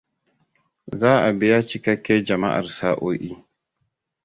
Za a biya cikakke Jama'ar sa’oi.